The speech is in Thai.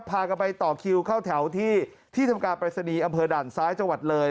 พากันไปต่อคิวเข้าแถวที่ที่ทำการปรายศนีย์อำเภอด่านซ้ายจังหวัดเลย